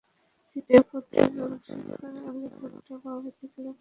তৃতীয় পুত্র জুলফিকার আলী ভুট্টো পরবর্তীকালে পাকিস্তানের প্রধানমন্ত্রী হিসেবে নির্বাচিত হন।